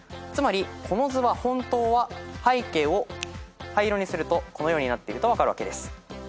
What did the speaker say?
つまりこの図は本当は背景を灰色にするとこのようになっていると分かるわけです。